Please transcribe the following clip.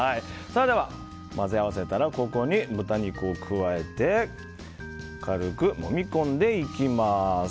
では、混ぜ合わせたらここに豚肉を加えて軽く、もみ込んでいきます。